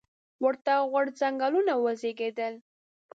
ورته غورځنګونه وزېږېدل.